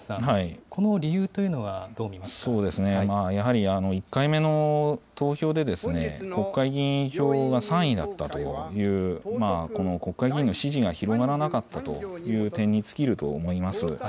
やはり１回目の投票で、国会議員票が３位だったという、この国会議員の支持が広がらなかったという点に尽きると思います。